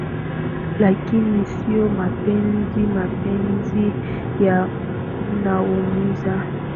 Lakini sio mapenzi, mapenzi yanaumiza